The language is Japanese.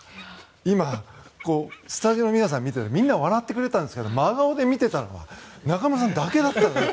今、スタジオの皆さん見ていてみんな笑ってくれたんですけど真顔で見ていたのは中室さんだけだった。